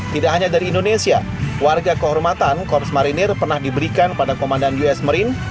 tidak hanya dari indonesia warga kehormatan korps marinir pernah diberikan pada komandan us marine